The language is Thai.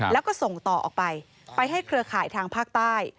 แล้วก็ส่งต่อออกไปไปให้เครือข่ายทางภาคใต้